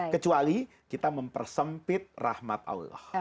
kecuali kita mempersempit rahmat allah